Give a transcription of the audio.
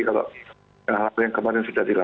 kalau hal hal yang kemarin sudah dilakukan